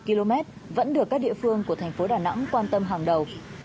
một mươi km vẫn được các địa phương của thành phố đà nẵng quan tâm hàng đầu